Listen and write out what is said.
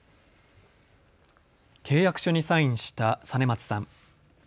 契約書にサインした實松さん。